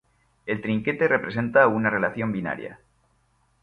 El trinquete representa una relación binaria.